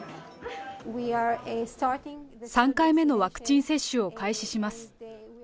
３回目のワクチン接種を開始します。